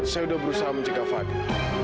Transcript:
saya sudah berusaha menjaga fadil